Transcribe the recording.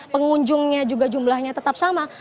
pengunjungnya juga jumlahnya tetap sama